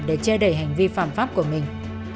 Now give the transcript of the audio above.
để che đẩy hành vi phạm pháp của mình